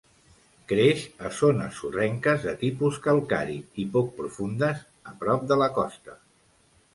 Creix a zones sorrenques de tipus calcari i poc profundes a prop de la costa.